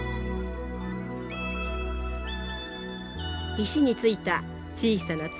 石についた小さな粒。